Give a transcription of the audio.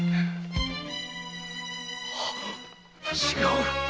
違う！